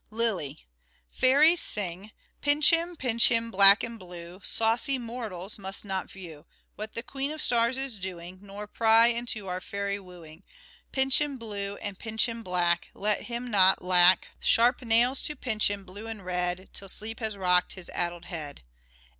Lyly. Fairies sing :—" Pinch him, pinch him, black and blue, Saucy mortals must not view What the Queen of Stars is doing, Nor pry into our fairy wooing. Pinch him blue And pinch him black, Let him not lack 334 " SHAKESPEARE " IDENTIFIED Sharp nails to pinch him blue and red, Till sleep has rocked his addle head."